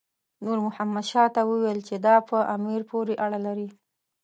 نور محمد شاه ته وویل چې دا په امیر پورې اړه لري.